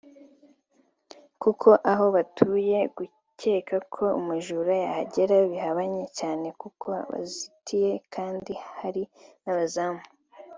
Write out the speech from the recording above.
kuko aho batuye gukeka ko umujura yahagera bihabanye cyane kuko hazitiye kandi hari n’abazamu